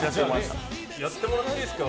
やってもらっていいですか？